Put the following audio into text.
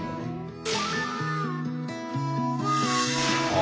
あ。